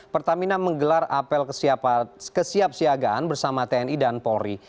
pertamina menggelar apel kesiapsiagaan bersama tni dan polri